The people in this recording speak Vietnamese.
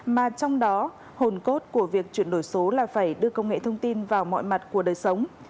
mà trong đó hồn cốt của việc chuyển đổi số là phải đưa công nghệ thông tin vào mọi mặt của đời sống